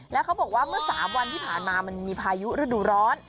แล้วเขาบอกว่าเมื่อ๓วันที่ผ่านมามันมีพายุฤดูร้อน